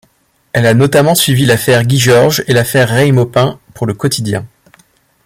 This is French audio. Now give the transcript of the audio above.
Elle a notamment suivi l'affaire Guy Georges et l'affaire Rey-Maupin pour le quotidien.